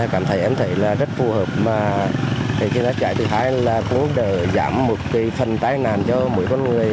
cảm thấy em thấy là rất phù hợp và khi nó chạy từ thái là cũng giảm một phần tai nạn cho mỗi con người